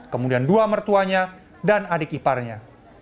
kemudian dua mertuanya dan adik iparnya